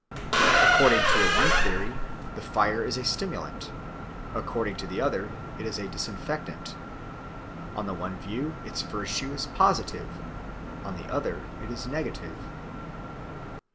According to the one theory the fire is a stimulant, according to the other it is a disinfectant; on the one view its virtue is positive, on the other it is negative.